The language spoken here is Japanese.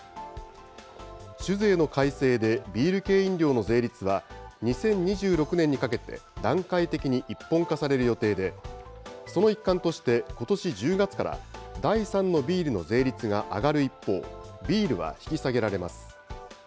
酒税の改正でビール系飲料の税率は、２０２６年にかけて段階的に一本化される予定で、その一環としてことし１０月から、第３のビールの税率が上がる一方、ビールは引き下げられます。